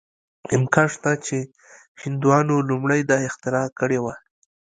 امکان شته چې هندوانو لومړی دا اختراع کړې وه.